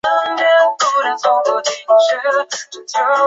而人权运动者的弗拉加得到州长许可到监狱与犯人交涉。